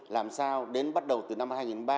làm sao đến bắt đầu từ năm hai nghìn ba mươi